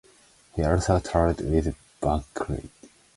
He also toured with Bunktilt.